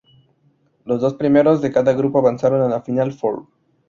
Los dos primeros de cada grupo avanzaron al final four.